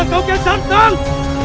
aku akan menang